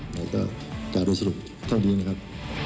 แล้วก็การโดยสรุปเท่าดีนะครับ